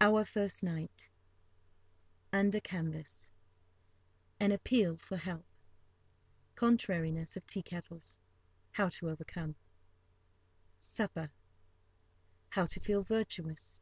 Our first night.—Under canvas.—An appeal for help.—Contrariness of tea kettles, how to overcome.—Supper.—How to feel virtuous.